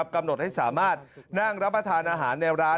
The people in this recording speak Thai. กำหนดให้สามารถนั่งรับประทานอาหารในร้าน